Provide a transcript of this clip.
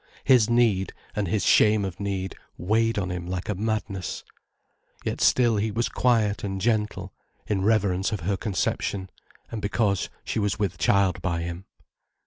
His need, and his shame of need, weighed on him like a madness. Yet still he was quiet and gentle, in reverence of her conception, and because she was with child by him.